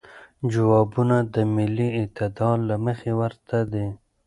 جوابونه د ملی اعتدال له مخې ورته دی.